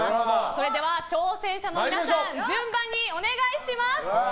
それでは挑戦者の皆さん順番にお願いします。